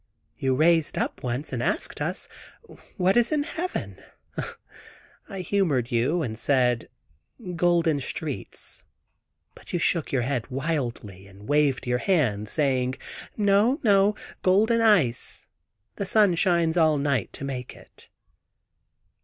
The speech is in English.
You raised up once and asked us 'What is in heaven?' I humored you and said, 'Golden streets,' but you shook your head wildly and waved your hand, saying, 'No, no; golden ice, the sun shines all night to make it."